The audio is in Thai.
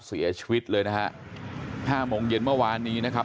เสียชีวิตเลยนะฮะห้าโมงเย็นเมื่อวานนี้นะครับ